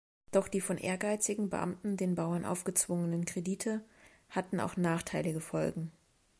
Doch die von ehrgeizigen Beamten den Bauern aufgezwungenen Kredite hatten auch nachteilige Folgen.